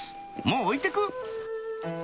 「もう置いてく！」